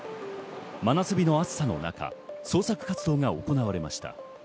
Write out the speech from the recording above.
真夏日の暑さの中、捜査活動が行われました。